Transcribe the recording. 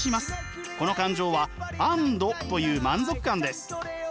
この感情は安堵という満足感です。